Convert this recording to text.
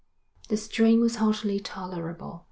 The strain was hardly tolerable.